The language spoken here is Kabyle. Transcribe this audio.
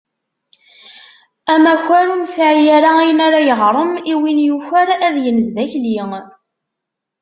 Amakar ur nesɛi ara ayen ara yeɣrem i win yuker, ad yenz d akli.